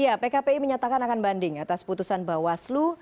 ya pkpi menyatakan akan banding atas putusan bawaslu